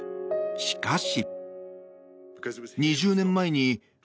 しかし。